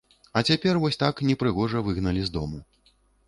А цяпер вось так непрыгожа выгналі з дому.